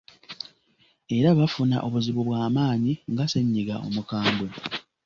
Era bafuna obuzibu bwa maanyi nga ssennyiga omukambwe.